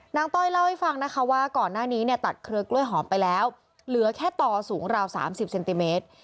ต้อยเล่าให้ฟังนะคะว่าก่อนหน้านี้เนี่ยตัดเครือกล้วยหอมไปแล้วเหลือแค่ต่อสูงราว๓๐เซนติเมตร